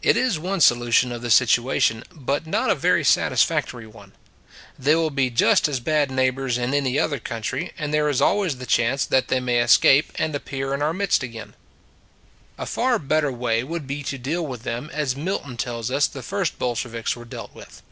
It" is one solution of the situation, but not a very satisfactory one. They will be just as bad neighbors in any other country and there is always the chance that they may escape and appear in our midst again. A far better way would be to deal with them as Milton tells us the first Bolshe viks were dealt with.